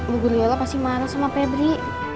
bu guliola pasti marah sama febri